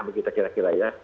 begitu kira kira ya